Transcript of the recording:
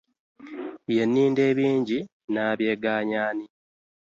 Ye ninda ebinji nabiaganya ani?